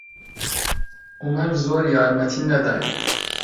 عومەر زۆر یارمەتی نەداین.